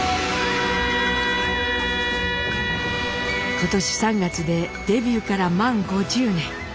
今年３月でデビューから満５０年。